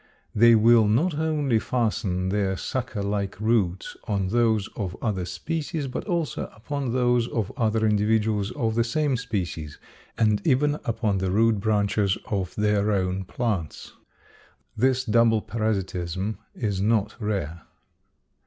They will not only fasten their sucker like roots on those of other species, but also upon those of other individuals of the same species, and even upon the root branches of their own plants. This double parasitism is not rare.